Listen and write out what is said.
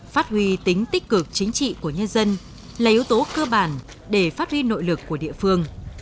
phát huy tính tích cực chính trị của nhân dân là yếu tố cơ bản để phát huy nội lực của địa phương